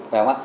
phải không ạ